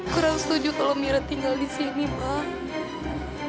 kurang setuju kalau mira tinggal di sini pak